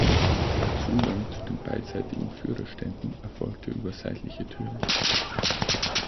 Der Zugang zu den beidseitigen Führerständen erfolgte über seitliche Türen.